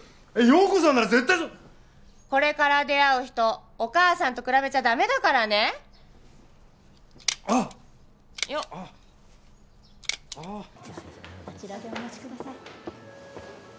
陽子さんなら絶対これから出会う人お母さんと比べちゃダメだからねあっああよっあちらでお待ちください